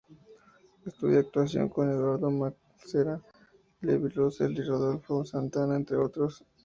Estudia actuación con Eduardo Mancera, Levy Rossel y Rodolfo Santana entre otros.